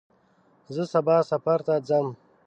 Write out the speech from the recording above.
زه سبا سفر ته ځم.